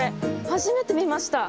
初めて見ました。